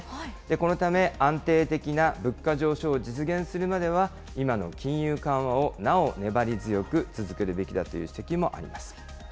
このため、安定的な物価上昇を実現するまでは、今の金融緩和をなお粘り強く続けるべきだという指摘もあります。